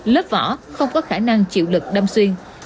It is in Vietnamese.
lớp võ không có khả năng chịu lực đâm xuyên